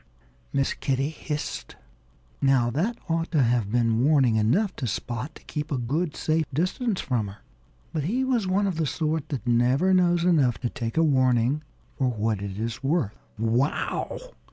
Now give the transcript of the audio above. "Tchah!" Miss Kitty hissed. Now, that ought to have been warning enough to Spot to keep a good, safe distance from her. But he was one of the sort that never knows enough to take a warning for what it is worth. "_Wow!